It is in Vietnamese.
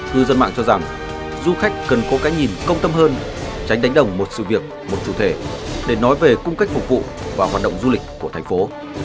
cư dân mạng cho rằng du khách cần có cái nhìn công tâm hơn tránh đánh đồng một sự việc một chủ thể để nói về cung cách phục vụ và hoạt động du lịch của thành phố